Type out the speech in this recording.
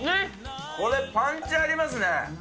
これ、パンチありますね。